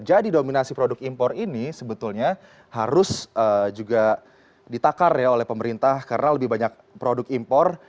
dominasi produk impor ini sebetulnya harus juga ditakar ya oleh pemerintah karena lebih banyak produk impor